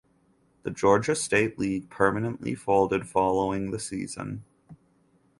The Georgia State League permanently folded following the season.